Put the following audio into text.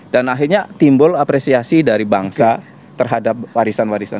dan akhirnya timbul apresiasi dari bangsa terhadap warisan warisan ini